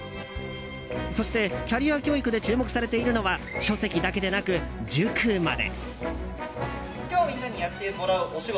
そしてキャリア教育で注目されているのは書籍だけでなく塾まで。